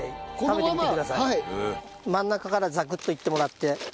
真ん中からザクッといってもらって。